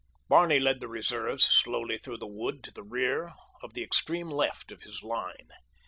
Barney led the reserves slowly through the wood to the rear of the extreme left of his line.